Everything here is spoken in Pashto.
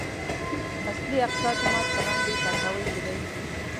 اصلي اقصی جومات په لاندې تاكاوۍ کې دی.